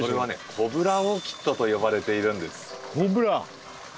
“コブラオーキッド”と呼ばれているんです。